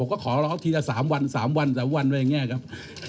ขอร้องทีละสามวันสามวันสามวันอะไรอย่างนี้ครับ